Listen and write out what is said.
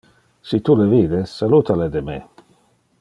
Si tu le vide, saluta le de me.